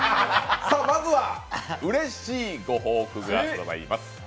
まずはうれしいご報告があります。